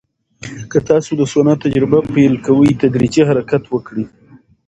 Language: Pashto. که تاسو د سونا تجربه پیل کوئ، تدریجي حرکت وکړئ.